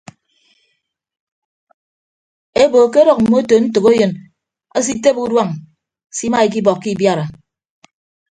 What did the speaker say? Ebo ke adʌk mmoto ntәkeyịn asitebe uduañ simaikibọkọ ibiara.